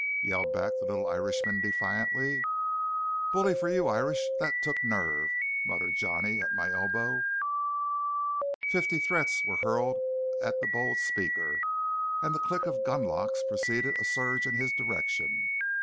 yelled back the little Irishman defiantly. "Bully for you, Irish; that took nerve!" muttered Johnny, at my elbow. Fifty threats were hurled at the bold speaker, and the click of gunlocks preceded a surge in his direction.